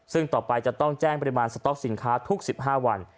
ซึ่งต่อไปจะต้องแจ้งปริมาณสต๊อกสินค้าทุก๑๕วัน